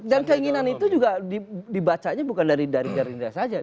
dan keinginan itu juga dibacanya bukan dari gerindra saja